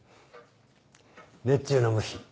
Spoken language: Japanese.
熱中の虫。